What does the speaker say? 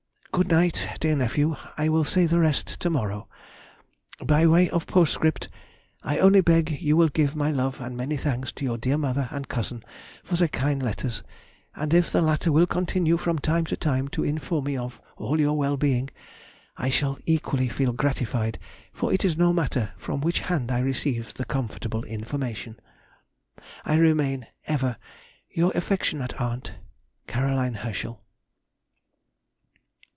Good night! dear nephew, I will say the rest to morrow. By way of postscript I only beg you will give my love and many thanks to your dear mother and cousin for their kind letters; and if the latter will continue from time to time to inform me of all your well being, I shall equally feel gratified, for it is no matter from which hand I receive the comfortable information. I remain, ever your affectionate aunt, CAR. HERSCHEL.